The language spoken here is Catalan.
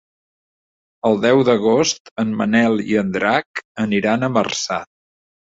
El deu d'agost en Manel i en Drac aniran a Marçà.